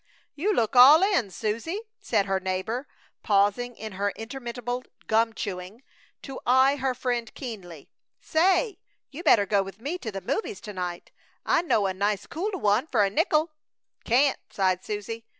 "You look all in, Susie!" said her neighbor, pausing in her interminable gum chewing to eye her friend keenly. "Say, you better go with me to the movies to night! I know a nice cool one fer a nickel!" "Can't!" sighed Susie.